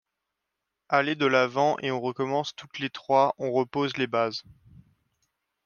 Aller de l’avant, et on recommence toutes les trois, on repose les bases.